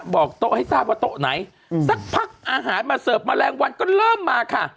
บอกโต๊ะให้ทราบว่าโต๊ะไหนสักพักอาหารมาเสิร์ฟแมลงวันก็เริ่มมาค่ะ